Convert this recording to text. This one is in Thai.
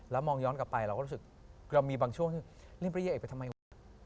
แล้วมองย้อนกลับไปเราก็รู้สึกเรามีบางช่วงที่เล่นพระเยเอกไปทำไมวะ